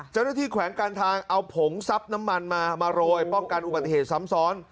แขวงการทางเอาผงซับน้ำมันมามาโรยป้องกันอุบัติเหตุซ้ำซ้อน